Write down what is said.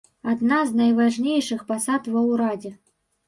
Адна з найважнейшых пасад ва ўрадзе.